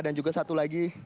dan juga satu lagi